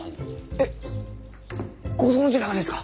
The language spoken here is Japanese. えっご存じながですか？